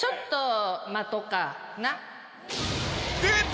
出た！